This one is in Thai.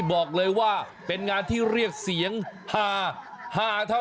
บอกเลยว่าเป็นงานที่เรียกเสียงฮาฮาเท่า